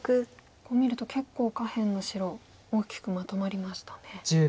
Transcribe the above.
こう見ると結構下辺の白大きくまとまりましたね。